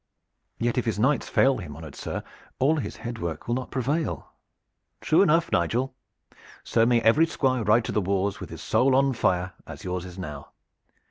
"Yet if his knights fail him, honored sir, all his head work will not prevail." "True enough, Nigel; so may every Squire ride to the wars with his soul on fire, as yours is now.